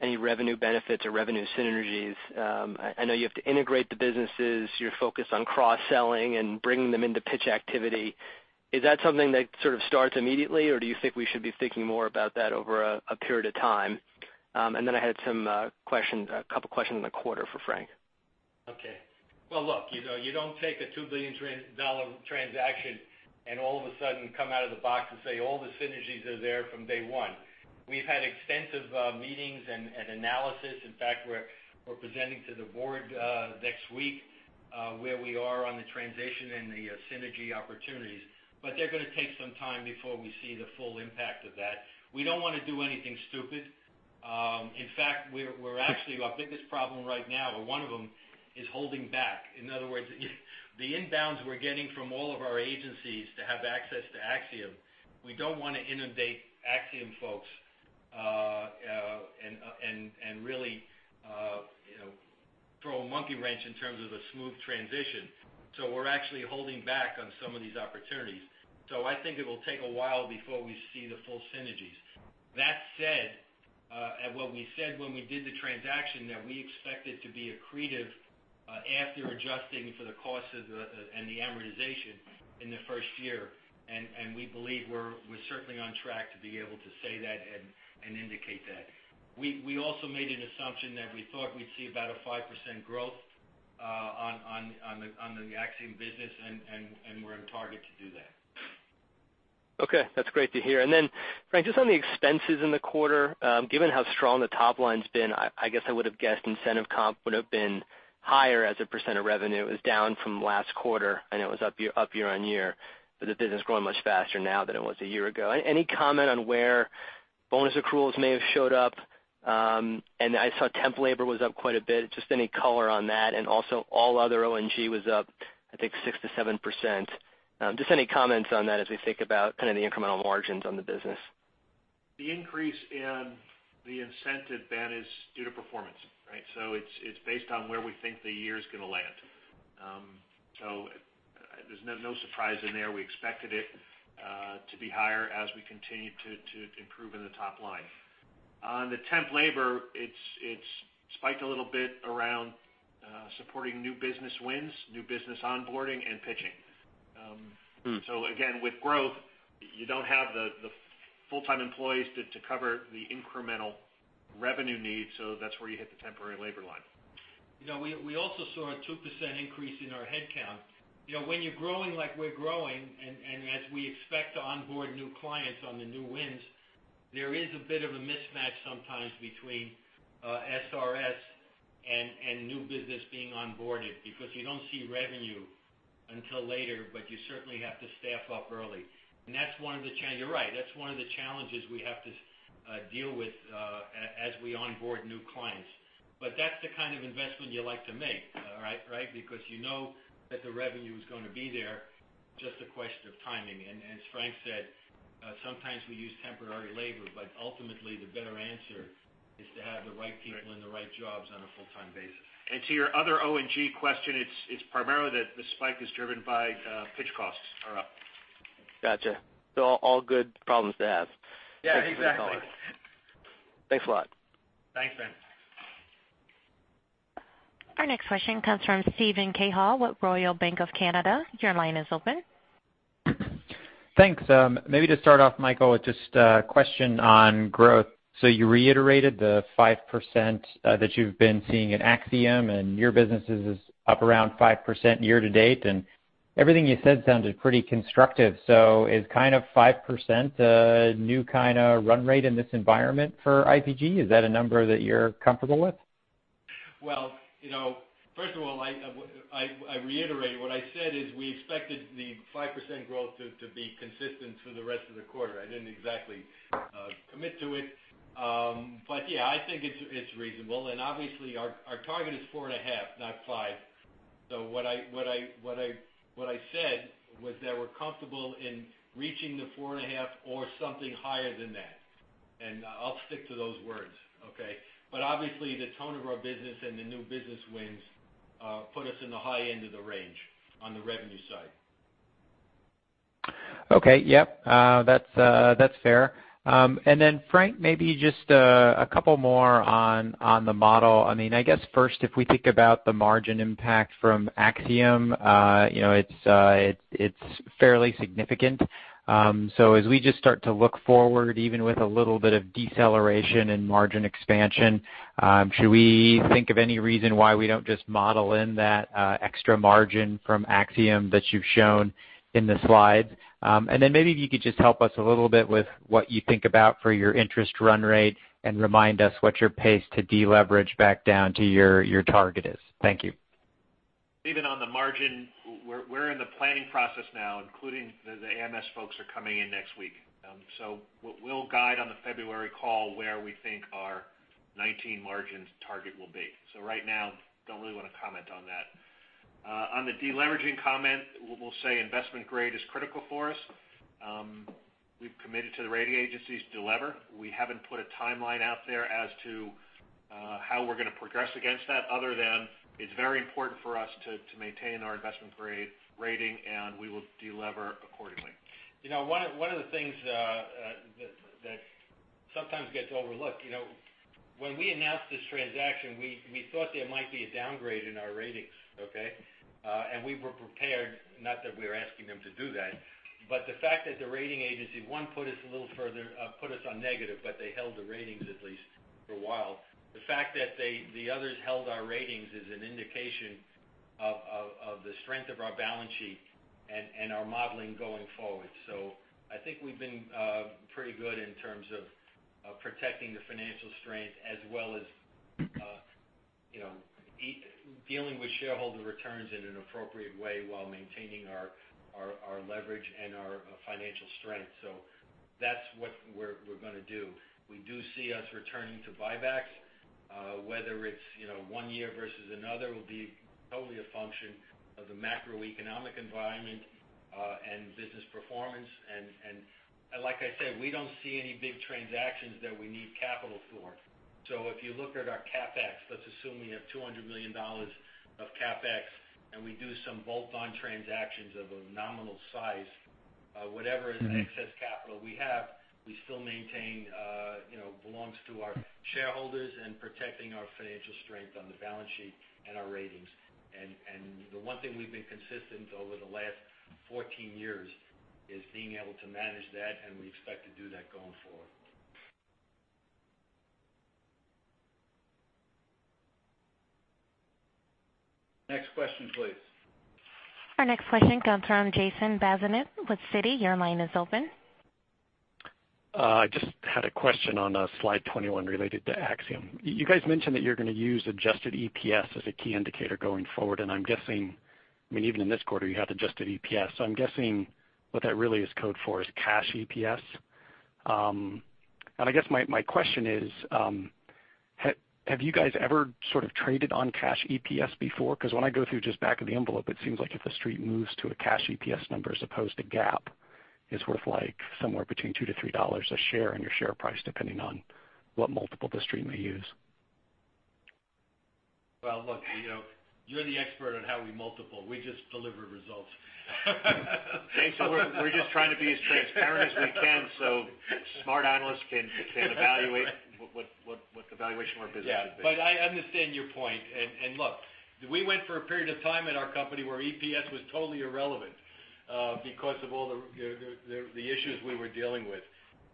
any revenue benefits or revenue synergies? I know you have to integrate the businesses. You're focused on cross-selling and bringing them into pitch activity. Is that something that sort of starts immediately, or do you think we should be thinking more about that over a period of time? And then I had a couple of questions in the quarter for Frank. Okay. Well, look, you don't take a $2 billion transaction and all of a sudden come out of the box and say, "All the synergies are there from day one." We've had extensive meetings and analysis. In fact, we're presenting to the board next week where we are on the transition and the synergy opportunities. But they're going to take some time before we see the full impact of that. We don't want to do anything stupid. In fact, our biggest problem right now, or one of them, is holding back. In other words, the inbounds we're getting from all of our agencies to have access to Acxiom, we don't want to inundate Acxiom folks and really throw a monkey wrench in terms of a smooth transition. So we're actually holding back on some of these opportunities. So I think it will take a while before we see the full synergies. That said, what we said when we did the transaction, that we expected to be accretive after adjusting for the cost and the amortization in the first year. And we believe we're certainly on track to be able to say that and indicate that. We also made an assumption that we thought we'd see about a 5% growth on the Acxiom business, and we're on target to do that. Okay. That's great to hear. And then, Frank, just on the expenses in the quarter, given how strong the top line's been, I guess I would have guessed incentive comp would have been higher as a percent of revenue. It was down from last quarter, and it was up year on year. But the business is growing much faster now than it was a year ago. Any comment on where bonus accruals may have showed up? And I saw temp labor was up quite a bit. Just any color on that? And also, all other ONG was up, I think, 6%-7%. Just any comments on that as we think about kind of the incremental margins on the business? The increase in the incentive plan is due to performance, right? So it's based on where we think the year is going to land. So there's no surprise in there. We expected it to be higher as we continue to improve in the top line. On the temp labor, it's spiked a little bit around supporting new business wins, new business onboarding, and pitching. So again, with growth, you don't have the full-time emp loyees to cover the incremental revenue need, so that's where you hit the temporary labor line. We also saw a 2% increase in our headcount. When you're growing like we're growing, and as we expect to onboard new clients on the new wins, there is a bit of a mismatch sometimes between SRS and new business being onboarded because you don't see revenue until later, but you certainly have to staff up early. You're right. That's one of the challenges we have to deal with as we onboard new clients. But that's the kind of investment you like to make, right? Because you know that the revenue is going to be there. Just a question of timing, and as Frank said, sometimes we use temporary labor, but ultimately, the better answer is to have the right people in the right jobs on a full-time basis. And to your other SG&A question, it's primarily that the spike is driven by pitch costs that are up. Gotcha So all good problems to have. Yeah. Exactly. Thanks a lot. Thanks, Ben. Our next question comes from Steven Cahall with Royal Bank of Canada. Your line is open. Thanks. Maybe to start off, Michael, with just a question on growth, so you reiterated the 5% that you've been seeing in Acxiom, and your business is up around 5% year to date, and everything you said sounded pretty constructive. So is kind of 5% a new kind of run rate in this environment for IPG? Is that a number that you're comfortable with? First of all, I reiterate what I said is we expected the 5% growth to be consistent for the rest of the quarter. I didn't exactly commit to it, but yeah, I think it's reasonable, and obviously, our target is 4.5%, not 5%, so what I said was that we're comfortable in reaching the 4.5% or something higher than that, and I'll stick to those words, okay, but obviously, the tone of our business and the new business wins put us in the high end of the range on the revenue side. Okay. Yep. That's fair. And then, Frank, maybe just a couple more on the model. I mean, I guess first, if we think about the margin impact from Acxiom, it's fairly significant. So as we just start to look forward, even with a little bit of deceleration in margin expansion, should we think of any reason why we don't just model in that extra margin from Acxiom that you've shown in the slides? And then maybe if you could just help us a little bit with what you think about for your interest run rate and remind us what your pace to deleverage back down to your target is. Thank you. Steven, on the margin, we're in the planning process now, including the AMS folks who are coming in next week. So we'll guide on the February call where we think our 2019 margin target will be. So right now, don't really want to comment on that. On the deleveraging comment, we'll say investment grade is critical for us. We've committed to the rating agencies to deliver. We haven't put a timeline out there as to how we're going to progress against that other than it's very important for us to maintain our investment grade rating, and we will deliver accordingly. One of the things that sometimes gets overlooked, when we announced this transaction, we thought there might be a downgrade in our ratings, okay? And we were prepared, not that we were asking them to do that. But the fact that the rating agency one put us a little further, put us on negative, but they held the ratings at least for a while. The fact that the others held our ratings is an indication of the strength of our balance sheet and our modeling going forward. So I think we've been pretty good in terms of protecting the financial strength as well as dealing with shareholder returns in an appropriate way while maintaining our leverage and our financial strength. So that's what we're going to do. We do see us returning to buybacks, whether it's one year versus another will be totally a function of the macroeconomic environment and business performance. And like I said, we don't see any big transactions that we need capital for. If you look at our CapEx, let's assume we have $200 million of CapEx, and we do some bolt-on transactions of a nominal size, whatever is the excess capital we have, we still maintain belongs to our shareholders and protecting our financial strength on the balance sheet and our ratings. The one thing we've been consistent over the last 14 years is being able to manage that, and we expect to do that going forward. Next question, please. Our next question comes from Jason Bazinet with Citi. Your line is open. I just had a question on slide 21 related to Acxiom. You guys mentioned that you're going to use adjusted EPS as a key indicator going forward, and I'm guessing, I mean, even in this quarter, you had adjusted EPS. So I'm guessing what that really is code for is cash EPS. And I guess my question is, have you guys ever sort of traded on cash EPS before? Because when I go through just back of the envelope, it seems like if the street moves to a cash EPS number as opposed to GAAP, it's worth somewhere between $2-$3 a share and your share price, depending on what multiple the street may use. Look, you're the expert on our multiples. We just deliver results. So we're just trying to be as transparent as we can so smart analysts can evaluate what the valuation of our business should be. Yeah. But I understand your point. And look, we went for a period of time in our company where EPS was totally irrelevant because of all the issues we were dealing with.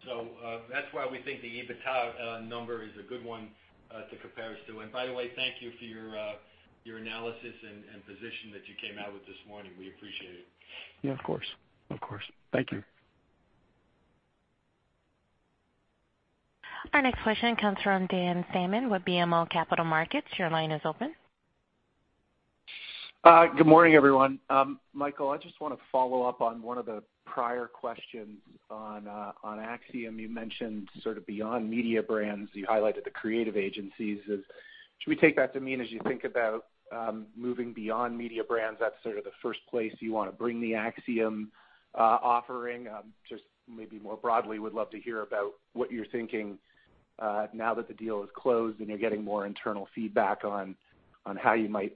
So that's why we think the EBITDA number is a good one to compare us to. And by the way, thank you for your analysis and position that you came out with this morning. We appreciate it. Yeah. Of course. Of course. Thank you. Our next question comes from Dan Salmon with BMO Capital Markets. Your line is open. Good morning, everyone. Michael, I just want to follow up on one of the prior questions on Acxiom. You mentioned sort of beyond Media Brands. You highlighted the creative agencies. Should we take that to mean as you think about moving beyond Media Brands, that's sort of the first place you want to bring the Acxiom offering? Just maybe more broadly, we'd love to hear about what you're thinking now that the deal is closed and you're getting more internal feedback on how you might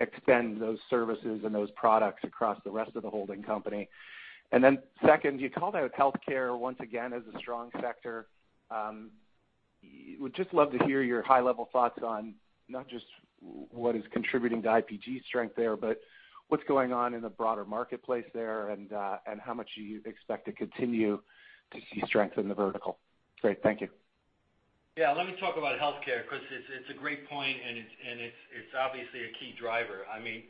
extend those services and those products across the rest of the holding company. And then second, you called out healthcare once again as a strong sector. We'd just love to hear your high-level thoughts on not just what is contributing to IPG strength there, but what's going on in the broader marketplace there and how much you expect to continue to see strength in the vertical. Great. Thank you. Yeah. Let me talk about healthcare because it's a great point, and it's obviously a key driver. I mean,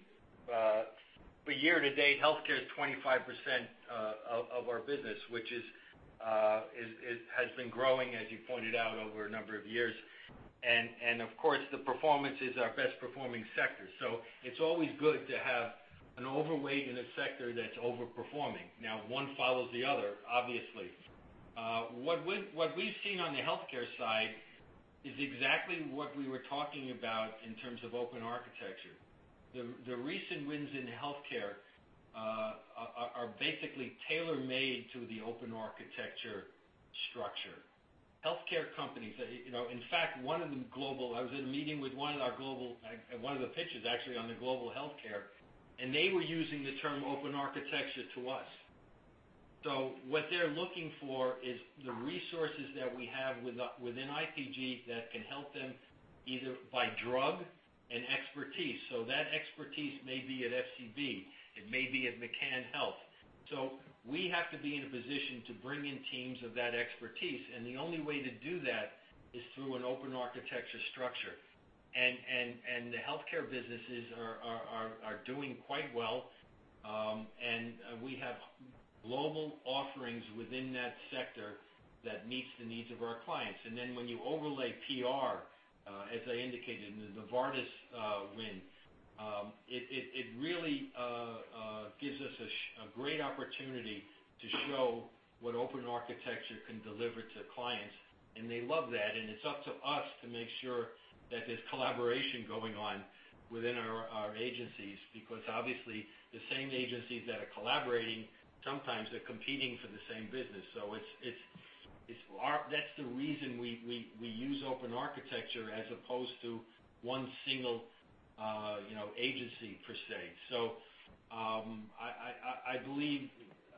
year to date, healthcare is 25% of our business, which has been growing, as you pointed out, over a number of years, and of course, the performance is our best-performing sector, so it's always good to have an overweight in a sector that's overperforming. Now, one follows the other, obviously. What we've seen on the healthcare side is exactly what we were talking about in terms of open architecture. The recent wins in healthcare are basically tailor-made to the open architecture structure. Healthcare companies, in fact, one of them global, I was at a meeting with one of our global pitchers, actually, on the global healthcare, and they were using the term open architecture to us. So, what they're looking for is the resources that we have within IPG that can help them either by drug and expertise. So that expertise may be at FCB. It may be at McCann Health. So we have to be in a position to bring in teams of that expertise. And the only way to do that is through an open architecture structure. And the healthcare businesses are doing quite well. And we have global offerings within that sector that meets the needs of our clients. And then when you overlay PR, as I indicated in the Novartis win, it really gives us a great opportunity to show what open architecture can deliver to clients. And they love that. And it's up to us to make sure that there's collaboration going on within our agencies because, obviously, the same agencies that are collaborating, sometimes they're competing for the same business. So that's the reason we use Open Architecture as opposed to one single agency per se. So I believe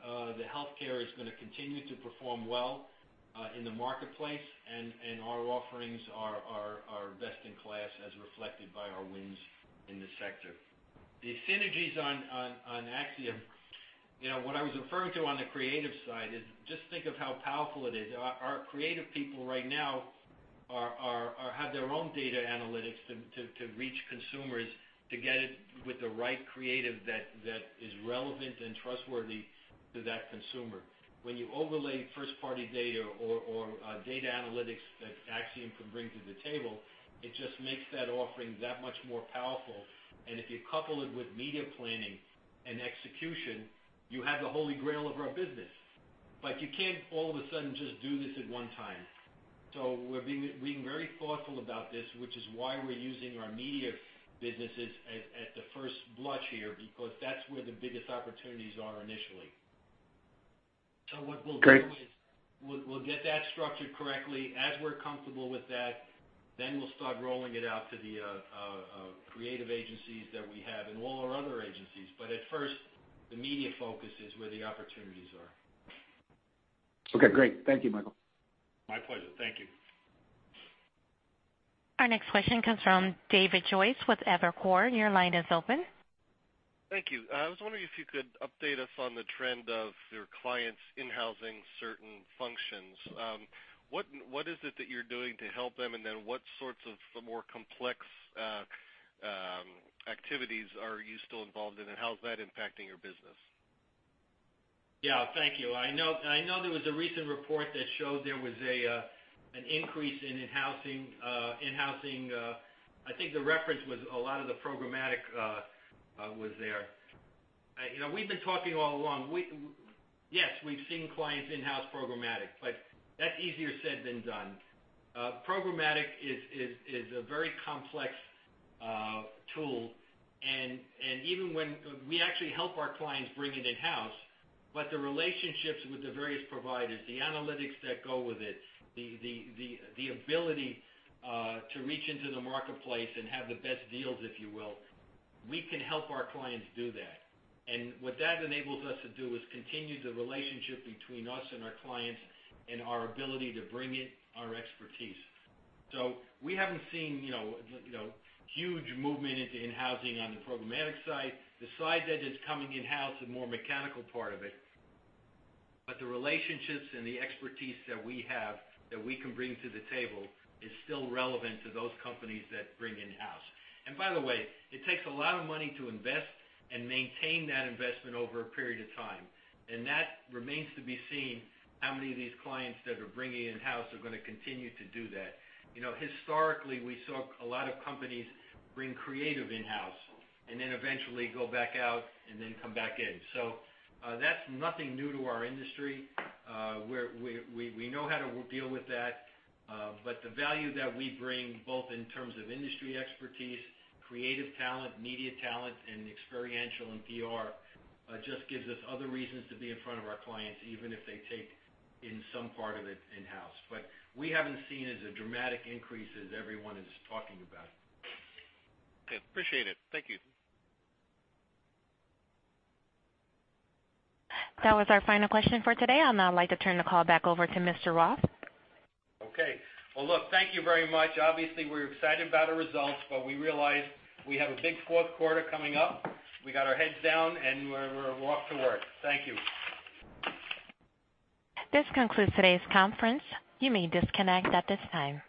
the healthcare is going to continue to perform well in the marketplace, and our offerings are best in class as reflected by our wins in the sector. The synergies on Acxiom, what I was referring to on the creative side, is just think of how powerful it is. Our creative people right now have their own data analytics to reach consumers to get it with the right creative that is relevant and trustworthy to that consumer. When you overlay first-party data or data analytics that Acxiom can bring to the table, it just makes that offering that much more powerful. And if you couple it with media planning and execution, you have the holy grail of our business. But you can't all of a sudden just do this at one time. So we're being very thoughtful about this, which is why we're using our media businesses at the first blush here because that's where the biggest opportunities are initially. So what we'll do is we'll get that structured correctly as we're comfortable with that. Then we'll start rolling it out to the creative agencies that we have and all our other agencies. But at first, the media focus is where the opportunities are. Okay. Great. Thank you, Michael. My pleasure. Thank you. Our next question comes from David Joyce with Evercore. Your line is open. Thank you. I was wondering if you could update us on the trend of your clients in-housing certain functions. What is it that you're doing to help them, and then what sorts of more complex activities are you still involved in, and how is that impacting your business? Yeah. Thank you. I know there was a recent report that showed there was an increase in in-housing. I think the reference was a lot of the programmatic was there. We've been talking all along. Yes, we've seen clients in-house programmatic, but that's easier said than done. Programmatic is a very complex tool. And even when we actually help our clients bring it in-house, but the relationships with the various providers, the analytics that go with it, the ability to reach into the marketplace and have the best deals, if you will, we can help our clients do that. And what that enables us to do is continue the relationship between us and our clients and our ability to bring in our expertise. So we haven't seen huge movement into in-housing on the programmatic side. The side that is coming in-house is more mechanical part of it. But the relationships and the expertise that we have that we can bring to the table is still relevant to those companies that bring in-house. And by the way, it takes a lot of money to invest and maintain that investment over a period of time. And that remains to be seen how many of these clients that are bringing in-house are going to continue to do that. Historically, we saw a lot of companies bring creative in-house and then eventually go back out and then come back in. So that's nothing new to our industry. We know how to deal with that. But the value that we bring, both in terms of industry expertise, creative talent, media talent, and experiential and PR, just gives us other reasons to be in front of our clients, even if they take in some part of it in-house. But we haven't seen as dramatic an increase as everyone is talking about. Okay. Appreciate it. Thank you. That was our final question for today. I'd now like to turn the call back over to Mr. Roth. Okay. Well, look, thank you very much. Obviously, we're excited about our results, but we realize we have a big fourth quarter coming up. We got our heads down, and we're off to work. Thank you. This concludes today's conference. You may disconnect at this time.